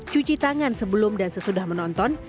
cuci tangan sebelum dan sesudah menonton